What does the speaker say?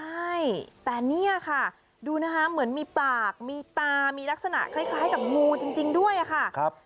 ใช่แต่เนี่ยค่ะดูนะคะเหมือนมีปากมีตามีลักษณะคล้ายกับงูจริงด้วยค่ะ